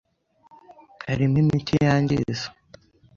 Harimo imiti yangiza.